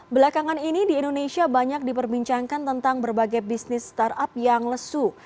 belakangan ini di indonesia banyak diperbincangkan tentang berbagai bisnis startup yang lesu